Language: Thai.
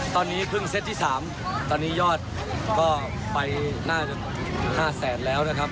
ตอนนี้เพิ่งเซ็ตต์ที่๓ตอนนี้ยอดก็ไป๕แสนแล้วนะครับ